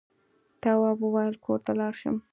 تواب وويل: کور ته لاړ شم.